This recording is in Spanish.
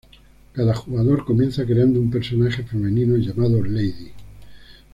Cada jugador comienza creando un personaje femenino llamado lady.